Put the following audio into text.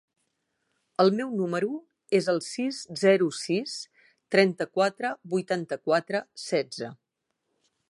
El meu número es el sis, zero, sis, trenta-quatre, vuitanta-quatre, setze.